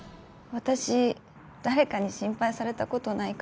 私誰かに心配された事ないから。